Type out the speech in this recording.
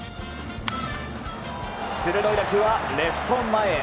鋭い打球はレフト前へ。